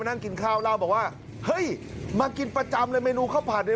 นั่งกินข้าวเล่าบอกว่าเฮ้ยมากินประจำเลยเมนูข้าวผัดเนี่ย